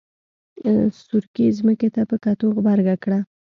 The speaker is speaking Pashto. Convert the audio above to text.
سورکي ځمکې ته په کتو غبرګه کړه.